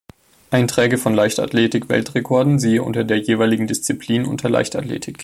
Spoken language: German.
Einträge von Leichtathletik-Weltrekorden siehe unter der jeweiligen Disziplin unter Leichtathletik.